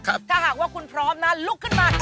ถ้าหากว่าคุณพร้อมนะลุกขึ้นมา